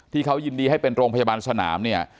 ที่เขายินดีให้เป็นโรงพยาบาลสนามเนี่ย